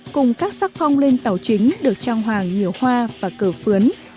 cùng các sắc phong lên tàu chính được trang hoàng nhiều hoa và cờ phướn